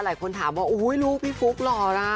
หลายคนถามว่าอุ้ยลูกพี่ฟุ๊กหล่อล่ะ